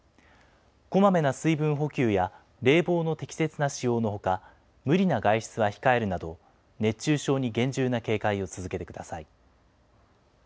こまめな水分補給や冷房の適切な使用のほか、無理な外出は控えるなど、熱中症に厳重な警戒を続けてください。